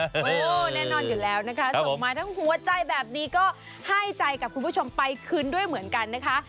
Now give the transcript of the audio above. แน่นอนอยู่แล้วนะคะส่งมาทั้งหัวใจแบบนี้ก็ให้ใจกับคุณผู้ชมไปคืนด้วยเหมือนกันนะคะ